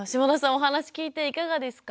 お話聞いていかがですか？